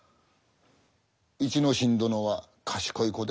一之進殿は賢い子です。